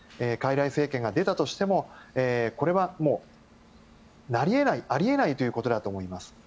傀儡政権が出たとしてもこれはなり得ない、あり得ないということだと思います。